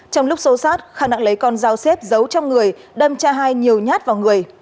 trong lúc xô sát kha đã lấy con dao xếp giấu trong người đâm cha hai nhiều nhát vào người